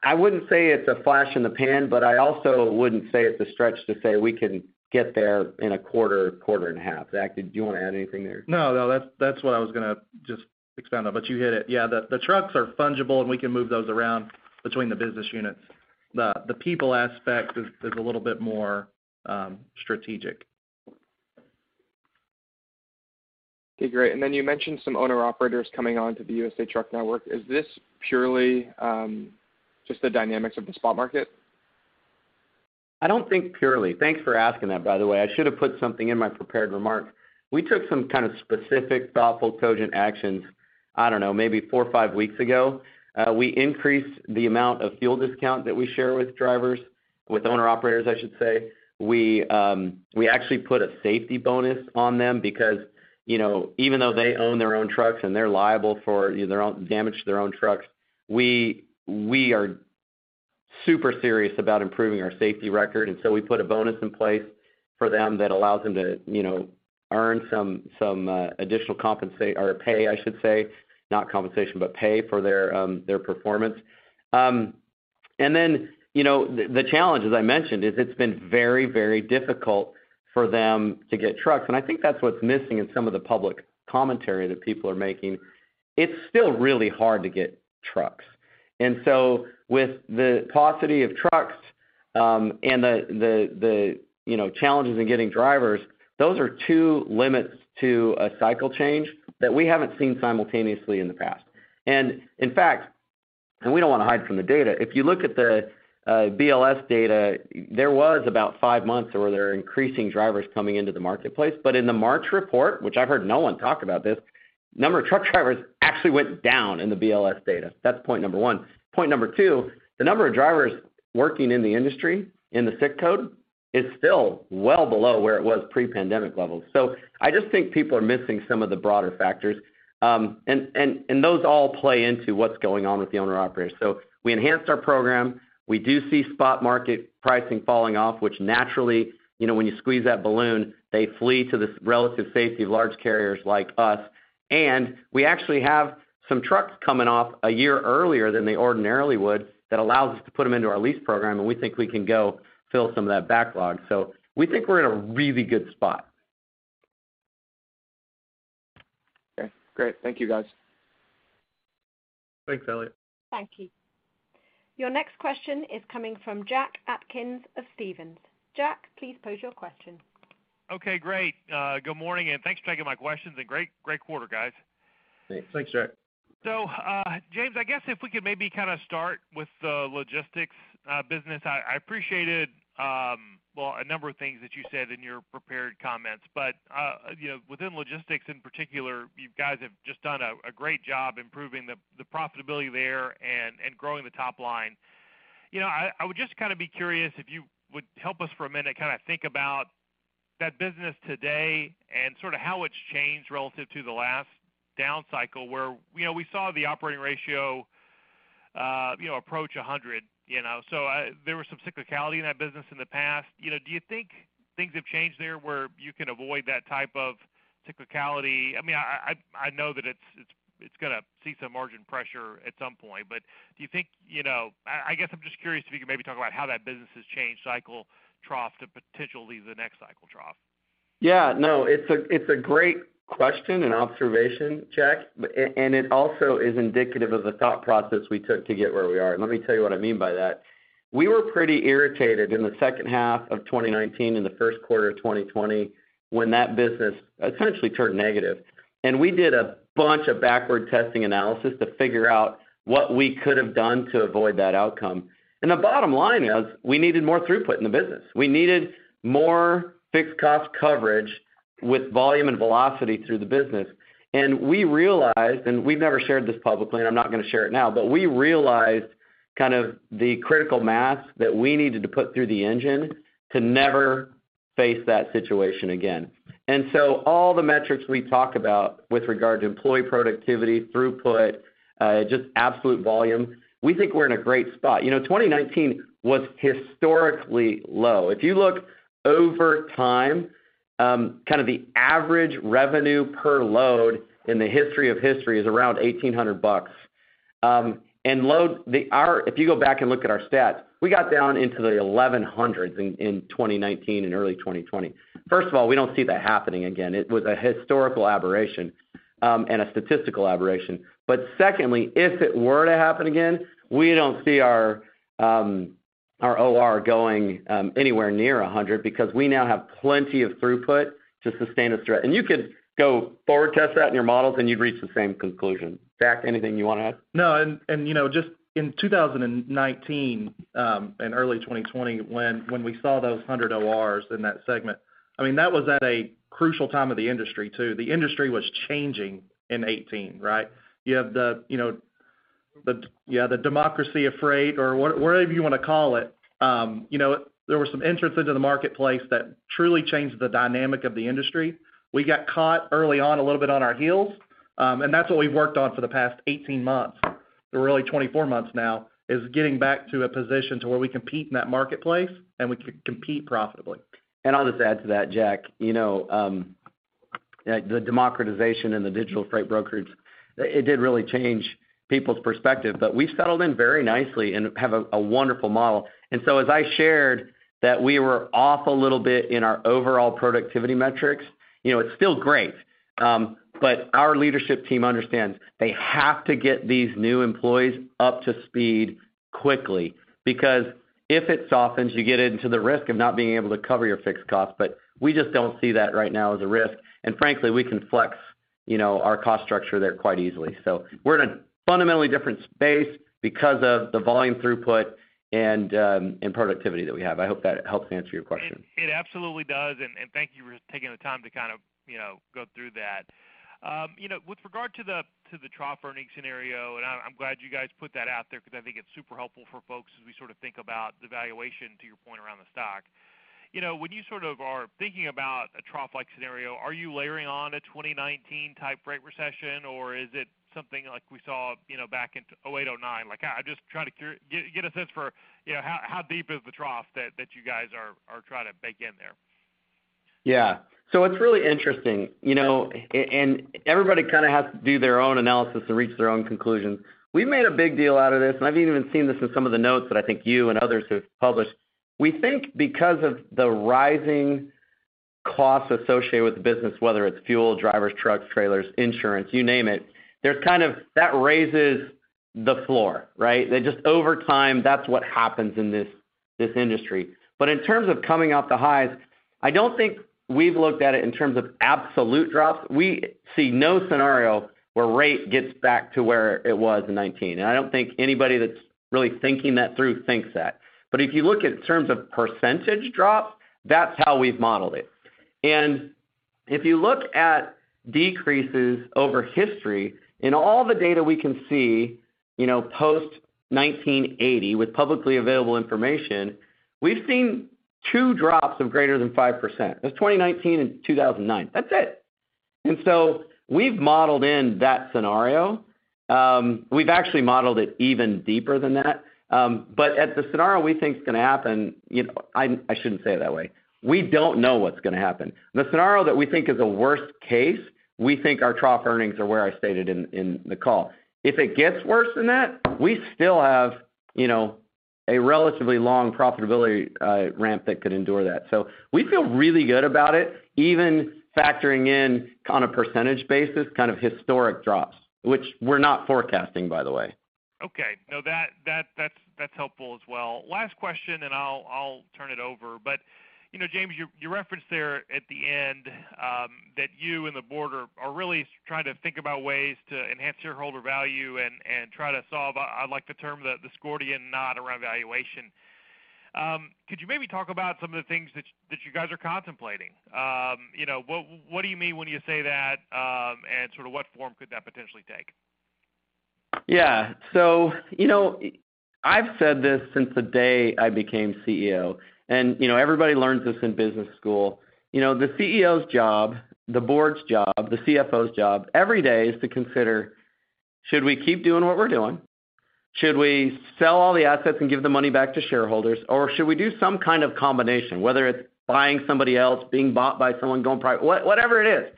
Speaker 3: I wouldn't say it's a flash in the pan, but I also wouldn't say it's a stretch to say we can get there in a quarter and a half. Zach, did you want to add anything there?
Speaker 4: No, no. That's what I was gonna just expand on. You hit it. Yeah. The trucks are fungible, and we can move those around between the business units. The people aspect is a little bit more strategic.
Speaker 5: Okay, great. You mentioned some owner-operators coming on to the USA Truck network. Is this purely, just the dynamics of the spot market?
Speaker 3: I don't think purely. Thanks for asking that, by the way. I should have put something in my prepared remarks. We took some kind of specific, thoughtful, cogent actions, I don't know, maybe four or five weeks ago. We increased the amount of fuel discount that we share with drivers, with owner-operators, I should say. We actually put a safety bonus on them because, you know, even though they own their own trucks and they're liable for, you know, damage to their own trucks, we are super serious about improving our safety record, and so we put a bonus in place for them that allows them to, you know, earn some additional or pay, I should say, not compensation, but pay for their performance. You know, the challenge, as I mentioned, is it's been very, very difficult for them to get trucks. I think that's what's missing in some of the public commentary that people are making. It's still really hard to get trucks. With the paucity of trucks, you know, challenges in getting drivers, those are two limits to a cycle change that we haven't seen simultaneously in the past. In fact, we don't want to hide from the data. If you look at the BLS data, there was about five months where there were increasing drivers coming into the marketplace. In the March report, which I've heard no one talk about this number of truck drivers actually went down in the BLS data. That's point number one. Point number 2, the number of drivers working in the industry in the SIC code is still well below where it was pre-pandemic levels. I just think people are missing some of the broader factors. Those all play into what's going on with the owner-operators. We enhanced our program. We do see spot market pricing falling off, which naturally, you know, when you squeeze that balloon, they flee to the safer relative safety of large carriers like us. We actually have some trucks coming off a year earlier than they ordinarily would that allows us to put them into our lease program, and we think we can go fill some of that backlog. We think we're in a really good spot.
Speaker 5: Okay, great. Thank you, guys.
Speaker 4: Thanks, Elliot.
Speaker 1: Thank you. Your next question is coming from Jack Atkins of Stephens. Jack, please pose your question.
Speaker 6: Okay, great. Good morning, and thanks for taking my questions. Great quarter, guys.
Speaker 3: Thanks, Jack.
Speaker 6: James, I guess if we could maybe kind of start with the logistics business. I appreciated well a number of things that you said in your prepared comments. You know, within logistics in particular, you guys have just done a great job improving the profitability there and growing the top line. You know, I would just kind of be curious if you would help us for a minute kind of think about that business today and sort of how it's changed relative to the last down cycle, where you know we saw the operating ratio you know approach 100 you know. There was some cyclicality in that business in the past. You know, do you think things have changed there, where you can avoid that type of cyclicality? I mean, I know that it's gonna see some margin pressure at some point. Do you think, you know. I guess I'm just curious if you could maybe talk about how that business has changed cycle trough to potentially the next cycle trough.
Speaker 3: Yeah, no, it's a great question and observation, Jack. It also is indicative of the thought process we took to get where we are, and let me tell you what I mean by that. We were pretty irritated in the second half of 2019 and the first quarter of 2020 when that business essentially turned negative. We did a bunch of backward-testing analysis to figure out what we could have done to avoid that outcome. The bottom line is we needed more throughput in the business. We needed more fixed cost coverage with volume and velocity through the business. We realized, and we've never shared this publicly, and I'm not gonna share it now, but we realized kind of the critical mass that we needed to put through the engine to never face that situation again. All the metrics we talk about with regard to employee productivity, throughput, just absolute volume, we think we're in a great spot. You know, 2019 was historically low. If you look over time, kind of the average revenue per load in the history of history is around $1,800. If you go back and look at our stats, we got down into the $1,100s in twenty nineteen and early 2020. First of all, we don't see that happening again. It was a historical aberration. It was a statistical aberration. Secondly, if it were to happen again, we don't see our our OR going anywhere near 100 because we now have plenty of throughput to sustain a threat. You could go forward test that in your models, and you'd reach the same conclusion. Jack, anything you wanna add?
Speaker 4: No. You know, just in 2019 and early 2020 when we saw those 100 ORs in that segment, I mean, that was at a crucial time of the industry too. The industry was changing in 2018, right? You have the democracy of freight or whatever you wanna call it. You know, there were some entrants into the marketplace that truly changed the dynamic of the industry. We got caught early on a little bit on our heels, and that's what we've worked on for the past 18 months, or really 24 months now, is getting back to a position to where we compete in that marketplace and we can compete profitably.
Speaker 3: I'll just add to that, Jack. You know, the democratization in the digital freight brokerage, it did really change people's perspective. We've settled in very nicely and have a wonderful model. As I shared that we were off a little bit in our overall productivity metrics, you know, it's still great, but our leadership team understands they have to get these new employees up to speed quickly. Because if it softens, you get into the risk of not being able to cover your fixed cost. We just don't see that right now as a risk, and frankly, we can flex, you know, our cost structure there quite easily. We're in a fundamentally different space because of the volume throughput and productivity that we have. I hope that helps answer your question.
Speaker 6: It absolutely does, and thank you for taking the time to kind of, you know, go through that. You know, with regard to the trough earning scenario, I'm glad you guys put that out there because I think it's super helpful for folks as we sort of think about the valuation, to your point, around the stock. You know, when you sort of are thinking about a trough-like scenario, are you layering on a 2019 type freight recession, or is it something like we saw, you know, back in 2008, 2009? Like I just try to get a sense for, you know, how deep is the trough that you guys are trying to bake in there.
Speaker 3: Yeah. It's really interesting, you know, and everybody kind of has to do their own analysis and reach their own conclusions. We've made a big deal out of this, and I've even seen this in some of the notes that I think you and others have published. We think because of the rising costs associated with the business, whether it's fuel, drivers, trucks, trailers, insurance, you name it, there's kind of that raises the floor, right? That just over time, that's what happens in this industry. In terms of coming off the highs, I don't think we've looked at it in terms of absolute drops. We see no scenario where rate gets back to where it was in 2019, and I don't think anybody that's really thinking that through thinks that. If you look in terms of percentage drops, that's how we've modeled it. If you look at decreases over history, in all the data we can see, you know, post-1980 with publicly available information, we've seen two drops of greater than 5%. That's 2019 and 2009. That's it. We've modeled in that scenario. We've actually modeled it even deeper than that. But at the scenario we think is gonna happen, you know, I shouldn't say it that way. We don't know what's gonna happen. The scenario that we think is the worst case, we think our trough earnings are where I stated in the call. If it gets worse than that, we still have, you know, a relatively long profitability ramp that could endure that. We feel really good about it, even factoring in on a percentage basis, kind of historic drops, which we're not forecasting, by the way.
Speaker 6: Okay. No, that's helpful as well. Last question, then I'll turn it over. You know, James, you referenced there at the end that you and the board are really trying to think about ways to enhance shareholder value and try to solve, I like the term, the Gordian knot around valuation. Could you maybe talk about some of the things that you guys are contemplating? You know, what do you mean when you say that, and sort of what form could that potentially take?
Speaker 3: You know, I've said this since the day I became CEO, and, you know, everybody learns this in business school. You know, the CEO's job, the board's job, the CFO's job every day is to consider should we keep doing what we're doing? Should we sell all the assets and give the money back to shareholders? Or should we do some kind of combination, whether it's buying somebody else, being bought by someone, going private, whatever it is.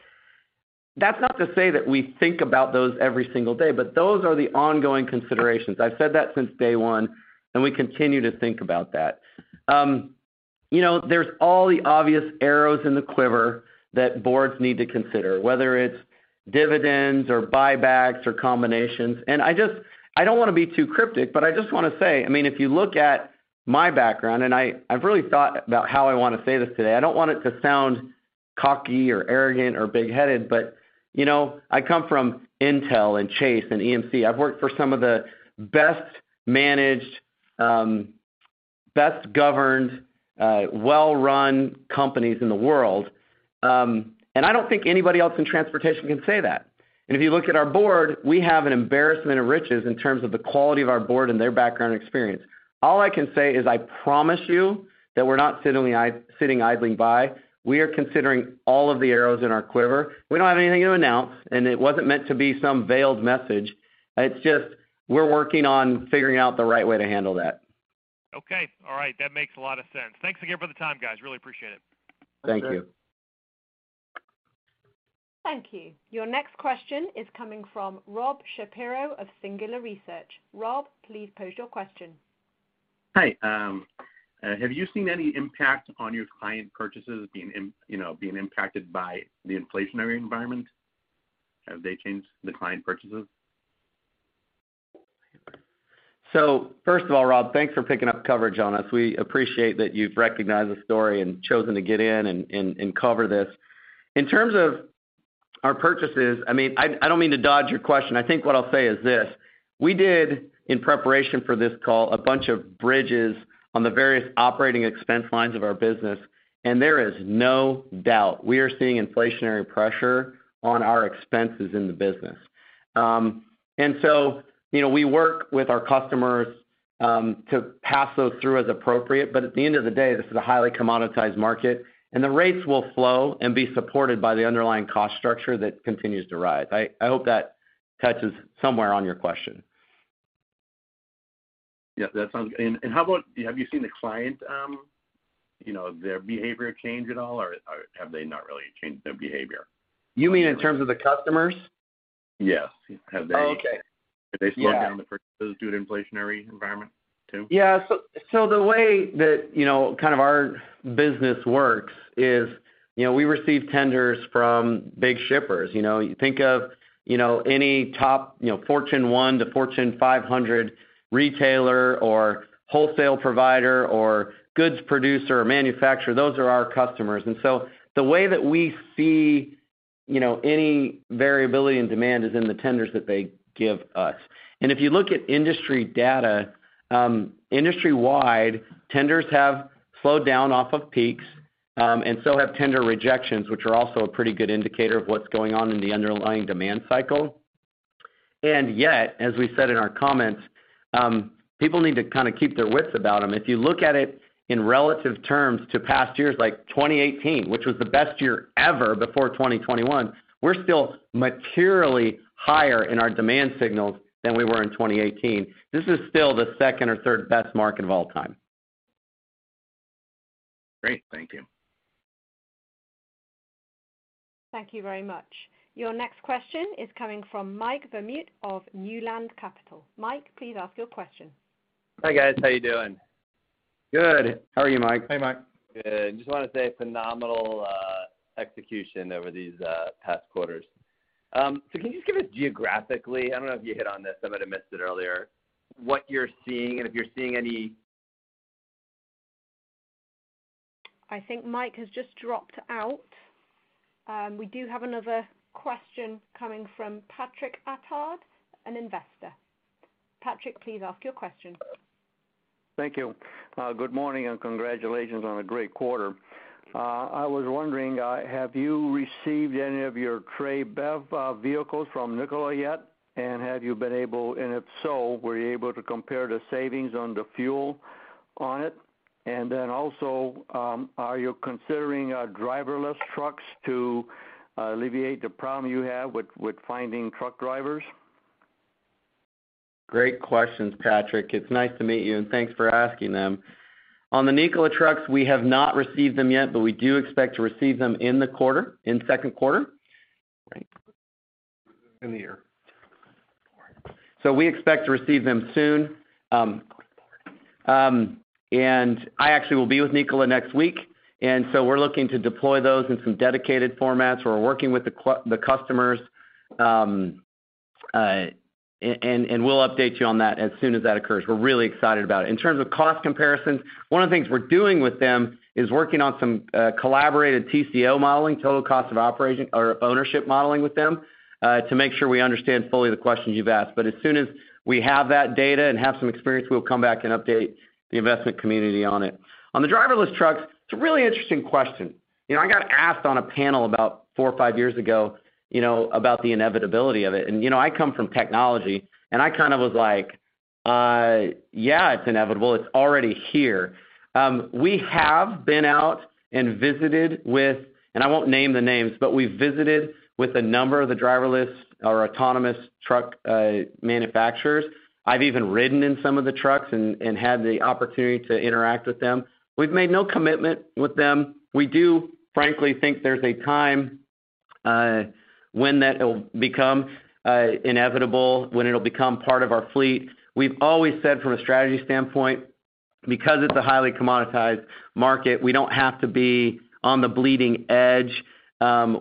Speaker 3: That's not to say that we think about those every single day, but those are the ongoing considerations. I've said that since day one, and we continue to think about that. You know, there's all the obvious arrows in the quiver that boards need to consider, whether it's dividends or buybacks or combinations. I just. I don't wanna be too cryptic, but I just wanna say, I mean, if you look at my background, and I've really thought about how I wanna say this today. I don't want it to sound cocky or arrogant or big-headed, but, you know, I come from Intel and Chase and EMC. I've worked for some of the best managed, best governed, well-run companies in the world, and I don't think anybody else in transportation can say that. If you look at our board, we have an embarrassment of riches in terms of the quality of our board and their background experience. All I can say is I promise you that we're not sitting idly by. We are considering all of the arrows in our quiver. We don't have anything to announce, and it wasn't meant to be some veiled message. It's just we're working on figuring out the right way to handle that.
Speaker 6: Okay. All right. That makes a lot of sense. Thanks again for the time, guys. Really appreciate it.
Speaker 3: Thank you.
Speaker 4: Thank you.
Speaker 1: Thank you. Your next question is coming from Rob Schapiro of Singular Research. Rob, please pose your question.
Speaker 7: Hi. Have you seen any impact on your client purchases being, you know, being impacted by the inflationary environment? Have they changed, the client purchases?
Speaker 3: First of all, Rob Schapiro, thanks for picking up coverage on us. We appreciate that you've recognized the story and chosen to get in and cover this. In terms of our purchases, I mean, I don't mean to dodge your question. I think what I'll say is this: We did, in preparation for this call, a bunch of bridges on the various operating expense lines of our business, and there is no doubt we are seeing inflationary pressure on our expenses in the business. You know, we work with our customers to pass those through as appropriate, but at the end of the day, this is a highly commoditized market, and the rates will flow and be supported by the underlying cost structure that continues to rise. I hope that touches somewhere on your question.
Speaker 7: Yeah, that sounds good. How about have you seen the client, you know, their behavior change at all, or have they not really changed their behavior?
Speaker 3: You mean in terms of the customers?
Speaker 7: Yes. Have they?
Speaker 3: Oh, okay. Yeah.
Speaker 7: Have they slowed down the purchases due to the inflationary environment too?
Speaker 3: The way that, you know, kind of our business works is, you know, we receive tenders from big shippers, you know. You think of, you know, any top, you know, Fortune 100 to Fortune 500 retailer or wholesale provider or goods producer or manufacturer, those are our customers. The way that we see, you know, any variability in demand is in the tenders that they give us. If you look at industry data, industry-wide, tenders have slowed down off of peaks, and so have tender rejections, which are also a pretty good indicator of what's going on in the underlying demand cycle. Yet, as we said in our comments, people need to kind of keep their wits about them. If you look at it in relative terms to past years like 2018, which was the best year ever before 2021, we're still materially higher in our demand signals than we were in 2018. This is still the second or third best market of all time.
Speaker 7: Great. Thank you.
Speaker 1: Thank you very much. Your next question is coming from Mike Vermut of Newland Capital. Mike, please ask your question.
Speaker 8: Hi, guys. How you doing?
Speaker 3: Good. How are you, Mike?
Speaker 4: Hey, Mike.
Speaker 8: Good. Just wanna say phenomenal execution over these past quarters. Can you just give us geographically, I don't know if you hit on this, I might have missed it earlier, what you're seeing and if you're seeing any-
Speaker 1: I think Mike has just dropped out. We do have another question coming from Patrick Attard, an investor. Patrick, please ask your question. Thank you. Good morning, and congratulations on a great quarter. I was wondering, have you received any of your Tre BEV vehicles from Nikola yet? If so, were you able to compare the savings on the fuel on it? Are you considering driverless trucks to alleviate the problem you have with finding truck drivers?
Speaker 3: Great questions, Patrick. It's nice to meet you, and thanks for asking them. On the Nikola trucks, we have not received them yet, but we do expect to receive them in the quarter, in second quarter. We expect to receive them soon. I actually will be with Nikola next week, and we're looking to deploy those in some dedicated formats. We're working with the customers, and we'll update you on that as soon as that occurs. We're really excited about it. In terms of cost comparisons, one of the things we're doing with them is working on some collaborative TCO modeling, total cost of ownership modeling with them to make sure we understand fully the questions you've asked. As soon as we have that data and have some experience, we'll come back and update the investment community on it. On the driverless trucks, it's a really interesting question. You know, I got asked on a panel about four or five years ago, you know, about the inevitability of it. You know, I come from technology, and I kinda was like, yeah, it's inevitable. It's already here. We have been out and visited with, and I won't name the names, but we visited with a number of the driverless or autonomous truck manufacturers. I've even ridden in some of the trucks and had the opportunity to interact with them. We've made no commitment with them. We do, frankly, think there's a time when that it'll become inevitable, when it'll become part of our fleet. We've always said from a strategy standpoint, because it's a highly commoditized market, we don't have to be on the bleeding edge.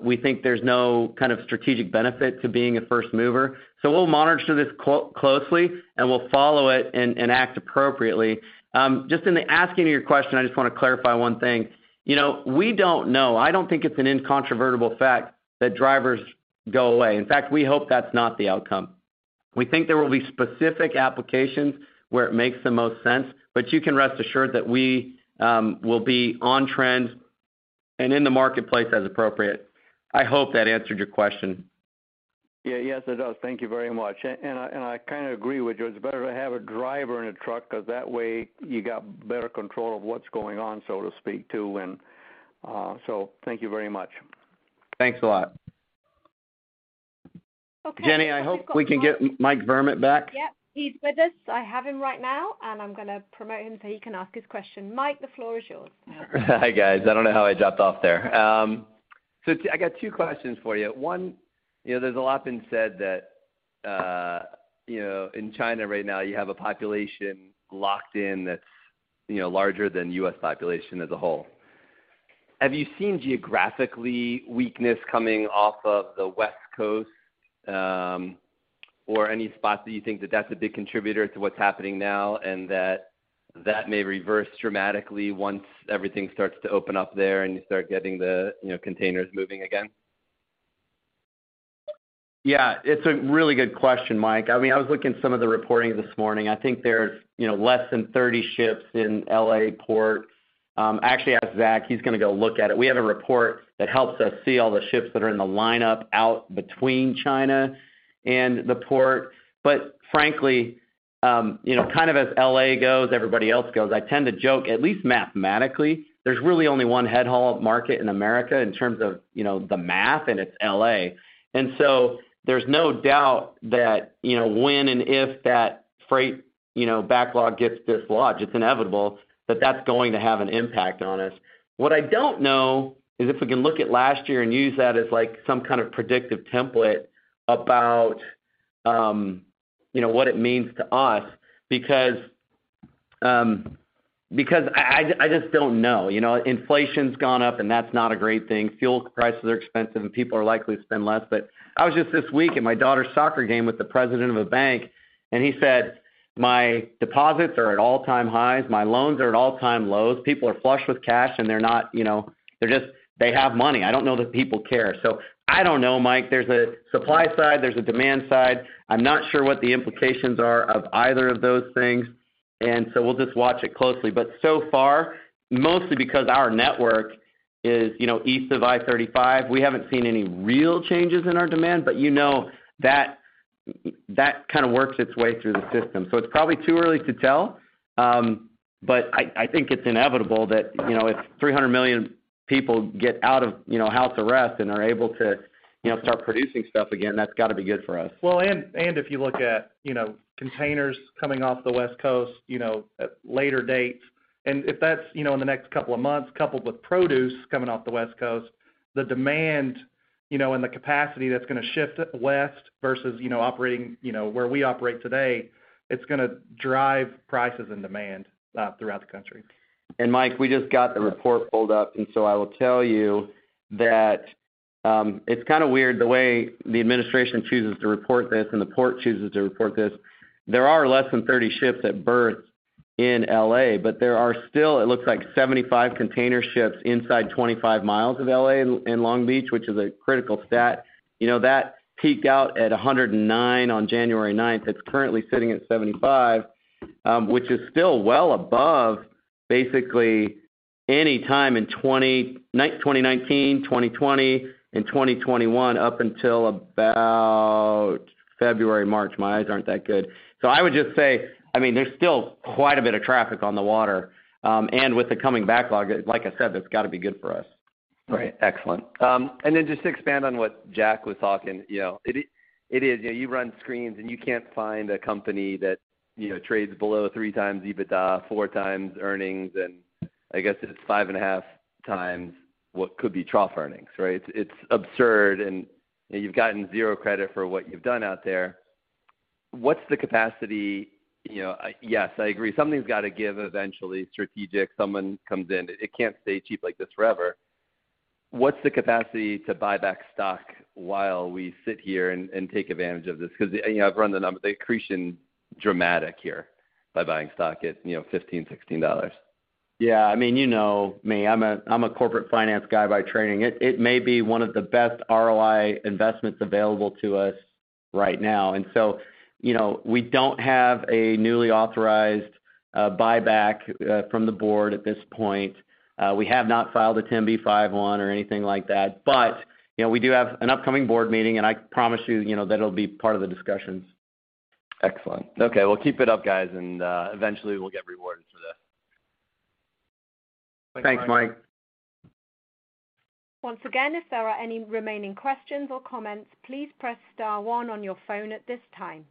Speaker 3: We think there's no kind of strategic benefit to being a first mover. We'll monitor this closely, and we'll follow it and act appropriately. Just in the asking of your question, I just wanna clarify one thing. You know, we don't know. I don't think it's an incontrovertible fact that drivers go away. In fact, we hope that's not the outcome. We think there will be specific applications where it makes the most sense, but you can rest assured that we will be on trend and in the marketplace as appropriate. I hope that answered your question. Yeah. Yes, it does. Thank you very much. I kinda agree with you. It's better to have a driver in a truck 'cause that way you got better control of what's going on, so to speak, too and so thank you very much. Thanks a lot.
Speaker 1: Okay.
Speaker 3: Jenny, I hope we can get Mike Vermut back.
Speaker 1: Yep. He's with us. I have him right now, and I'm gonna promote him so he can ask his question. Mike, the floor is yours.
Speaker 8: Hi, guys. I don't know how I dropped off there. I got two questions for you. One, you know, there's a lot been said that, you know, in China right now, you have a population locked in that's, you know, larger than U.S. population as a whole. Have you seen geographically weakness coming off of the West Coast, or any spots that you think that's a big contributor to what's happening now and that may reverse dramatically once everything starts to open up there and you start getting the, you know, containers moving again?
Speaker 3: Yeah. It's a really good question, Mike. I mean, I was looking at some of the reporting this morning. I think there's, you know, less than 30 ships in L.A. Port. I actually asked Zach, he's gonna go look at it. We have a report that helps us see all the ships that are in the lineup out between China and the port. But frankly, you know, kind of as L.A. goes, everybody else goes. I tend to joke, at least mathematically, there's really only one head haul market in America in terms of, you know, the math, and it's L.A. There's no doubt that, you know, when and if that freight, you know, backlog gets dislodged, it's inevitable that that's going to have an impact on us. What I don't know is if we can look at last year and use that as like some kind of predictive template about, you know, what it means to us because I just don't know. You know? Inflation's gone up, and that's not a great thing. Fuel prices are expensive, and people are likely to spend less. I was just this week at my daughter's soccer game with the president of a bank, and he said, "My deposits are at all-time highs. My loans are at all-time lows. People are flush with cash, and they're not, you know, they're just. They have money. I don't know that people care." I don't know, Mike. There's a supply side, there's a demand side. I'm not sure what the implications are of either of those things, and so we'll just watch it closely. So far, mostly because our network is, you know, east of I-35, we haven't seen any real changes in our demand. You know, that kinda works its way through the system. It's probably too early to tell, but I think it's inevitable that, you know, if 300 million people get out of, you know, house arrest and are able to, you know, start producing stuff again, that's gotta be good for us.
Speaker 4: Well, if you look at, you know, containers coming off the West Coast, you know, at later dates, and if that's, you know, in the next couple of months, coupled with produce coming off the West Coast, the demand, you know, and the capacity that's gonna shift west versus, you know, operating, you know, where we operate today, it's gonna drive prices and demand throughout the country.
Speaker 3: Mike, we just got the report pulled up, and so I will tell you that, it's kinda weird the way the administration chooses to report this and the port chooses to report this. There are less than 30 ships at berth in L.A., but there are still, it looks like 75 container ships inside 25 miles of L.A. and Long Beach, which is a critical stat. You know, that peaked out at 109 on January ninth. It's currently sitting at 75, which is still well above basically any time in 2019, 2020 and 2021 up until about February, March. My eyes aren't that good. I would just say, I mean, there's still quite a bit of traffic on the water. With the coming backlog, like I said, that's gotta be good for us.
Speaker 8: Right. Excellent. And then just to expand on what Jack was talking, you know, it is. You know, you run screens, and you can't find a company that, you know, trades below 3x EBITDA, 4x earnings, and I guess it's 5.5x what could be trough earnings, right? It's absurd, and you've gotten zero credit for what you've done out there. What's the capacity? You know, yes, I agree, something's gotta give eventually. Strategic, someone comes in. It can't stay cheap like this forever. What's the capacity to buy back stock while we sit here and take advantage of this? 'Cause, you know, I've run the numbers. The accretion, dramatic here by buying stock at, you know, $15-$16.
Speaker 3: Yeah, I mean, you know me. I'm a corporate finance guy by training. It may be one of the best ROI investments available to us right now. You know, we don't have a newly authorized buyback from the board at this point. We have not filed a 10b5-1 or anything like that. You know, we do have an upcoming board meeting, and I promise you know, that it'll be part of the discussions.
Speaker 8: Excellent. Okay, well keep it up, guys, and eventually we'll get rewarded for this.
Speaker 3: Thanks, Mike.
Speaker 4: Thanks, Mike.
Speaker 1: Once again, if there are any remaining questions or comments, please press star one on your phone at this time.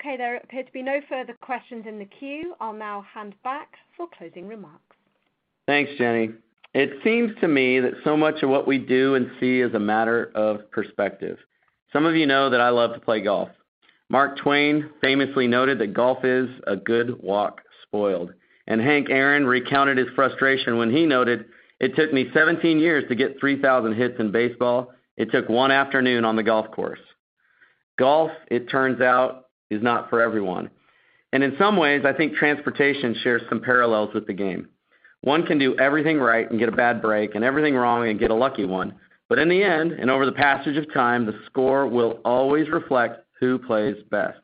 Speaker 1: Okay, there appear to be no further questions in the queue. I'll now hand back for closing remarks.
Speaker 3: Thanks, Jenny. It seems to me that so much of what we do and see is a matter of perspective. Some of you know that I love to play golf. Mark Twain famously noted that golf is a good walk spoiled. Hank Aaron recounted his frustration when he noted, "It took me 17 years to get 3,000 hits in baseball. It took one afternoon on the golf course." Golf, it turns out, is not for everyone. In some ways, I think transportation shares some parallels with the game. One can do everything right and get a bad break and everything wrong and get a lucky one. In the end, and over the passage of time, the score will always reflect who plays best.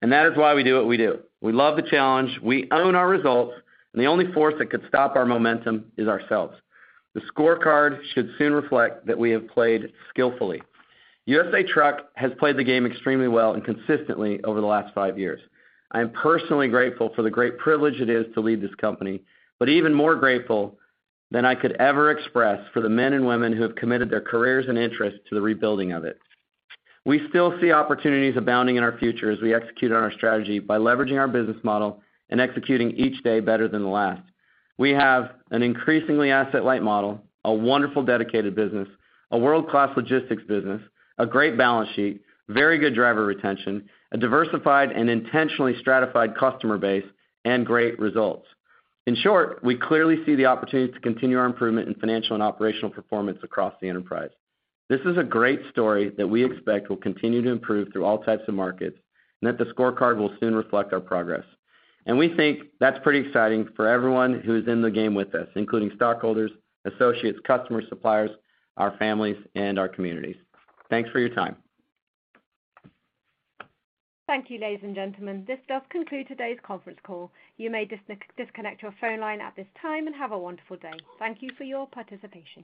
Speaker 3: That is why we do what we do. We love the challenge, we own our results, and the only force that could stop our momentum is ourselves. The scorecard should soon reflect that we have played skillfully. USA Truck has played the game extremely well and consistently over the last five years. I am personally grateful for the great privilege it is to lead this company, but even more grateful than I could ever express for the men and women who have committed their careers and interests to the rebuilding of it. We still see opportunities abounding in our future as we execute on our strategy by leveraging our business model and executing each day better than the last. We have an increasingly asset-light model, a wonderful dedicated business, a world-class logistics business, a great balance sheet, very good driver retention, a diversified and intentionally stratified customer base, and great results. In short, we clearly see the opportunity to continue our improvement in financial and operational performance across the enterprise. This is a great story that we expect will continue to improve through all types of markets and that the scorecard will soon reflect our progress. We think that's pretty exciting for everyone who is in the game with us, including stockholders, associates, customers, suppliers, our families, and our communities. Thanks for your time.
Speaker 1: Thank you, ladies and gentlemen. This does conclude today's conference call. You may disconnect your phone line at this time and have a wonderful day. Thank you for your participation.